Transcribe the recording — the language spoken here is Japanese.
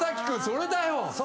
君それだよ！